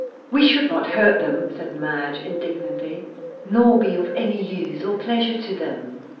"We should not hurt them!" said Madge indignantly. "Nor be of any use or pleasure to them."